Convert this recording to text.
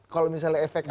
kalau misalnya efek apa